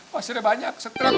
pasirnya banyak setrek